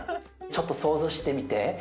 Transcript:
ちょっと想像してみて。